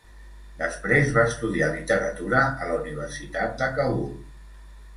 Després va estudiar Literatura a la Universitat de Kabul.